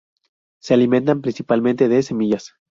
Se alimentan principalmente de semillas.